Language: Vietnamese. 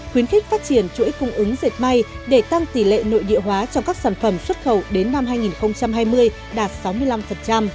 khuyến khích phát triển chuỗi cung ứng dệt may để tăng tỷ lệ nội địa hóa trong các sản phẩm xuất khẩu đến năm hai nghìn hai mươi đạt sáu mươi năm